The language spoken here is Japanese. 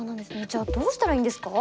じゃあどうしたらいいんですか？